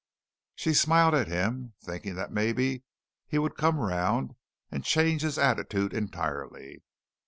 She smiled at him, thinking that maybe he would come round and change his attitude entirely.